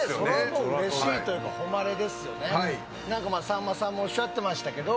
さんまさんもおっしゃってましたけど。